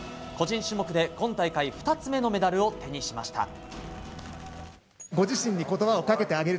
個人種目で、今大会２つ目のメダルを手にしました。